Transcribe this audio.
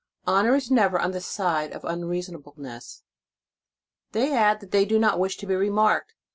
Honor is never on the side of unreasonableness. They add that they do not wish to be re marked.